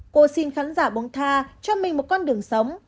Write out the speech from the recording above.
cô xin khán giả bông tha cho mình một con đường sống